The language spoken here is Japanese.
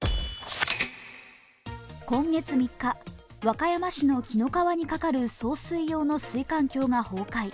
今月３日、和歌山市の紀の川にかかる送水用の水管橋が崩壊。